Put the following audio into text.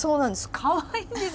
かわいいんです。